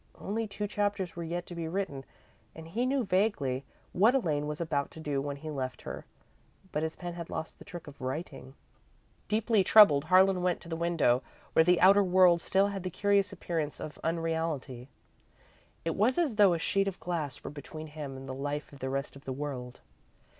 Only two chapters were yet to be written, and he knew, vaguely, what Elaine was about to do when he left her, but his pen had lost the trick of writing. Deeply troubled, Harlan went to the window, where the outer world still had the curious appearance of unreality. It was as though a sheet of glass were between him and the life of the rest of the world.